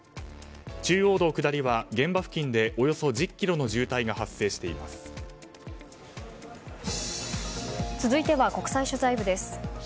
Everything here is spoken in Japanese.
中央道下りは現場付近でおよそ１０ｋｍの渋滞が続いては国際取材部です。